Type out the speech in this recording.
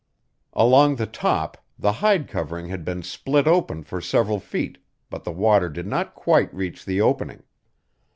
Along the top the hide covering had been split open for several feet, but the water did not quite reach the opening.